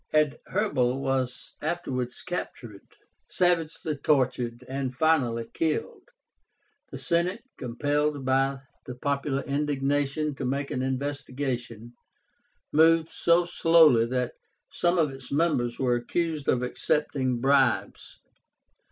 Adherbal was afterwards captured, savagely tortured, and finally killed. The Senate, compelled by the popular indignation to make an investigation, moved so slowly that some of its members were accused of accepting bribes.